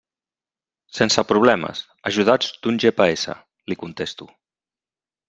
«Sense problemes, ajudats d'un GPS», li contesto.